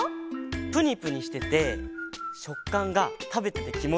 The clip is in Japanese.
ぷにぷにしててしょっかんがたべててきもちいいんだよね。